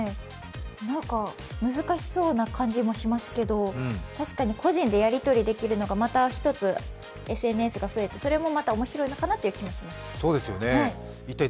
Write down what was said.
難しそうな感じもしますけど、確かに個人でやりとりできるのがまた一つＳＮＳが増えてそれもまた面白いのかなという気がしました。